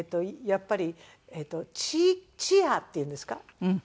やっぱりチアっていうんですか？